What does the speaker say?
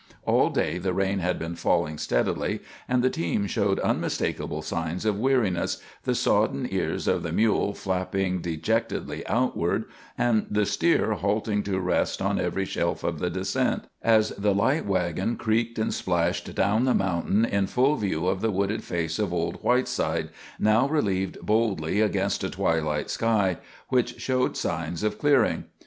All day the rain had been falling steadily, and the team showed unmistakable signs of weariness, the sodden ears of the mule flapping dejectedly outward, and the steer halting to rest on every shelf of the descent, as the light wagon creaked and splashed down the mountain in full view of the wooded face of old Whiteside, now relieved boldly against a twilight sky which showed signs of clearing.